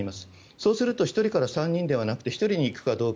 そうすると１人から３人ではなくて１人に行くかどうか。